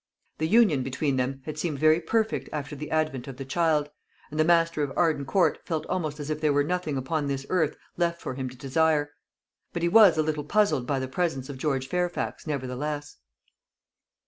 The union between them had seemed very perfect after the advent of the child; and the master of Arden Court felt almost as if there were nothing upon this earth left for him to desire. But he was a little puzzled by the presence of George Fairfax, nevertheless.